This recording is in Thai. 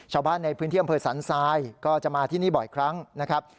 ชาวบ้านในพื้นที่อำเภอสันทรายก็จะมาที่นี่บ่อยครั้งนะครับ